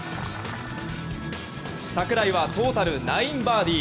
櫻井はトータル９バーディー。